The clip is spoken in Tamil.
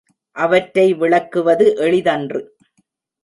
அவற்றை விளக்குவது எளிதன்று.